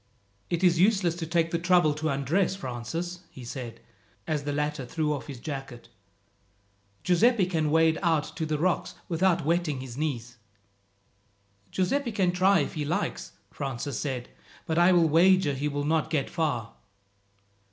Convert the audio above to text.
"It is useless to take the trouble to undress, Francis," he said, as the latter threw off his jacket. "Giuseppi can wade out to the rocks without wetting his knees." "Giuseppi can try if he likes," Francis said, "but I will wager he will not get far."